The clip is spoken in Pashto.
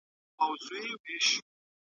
تېر وخت له اوسني وخت سره توپیر لري.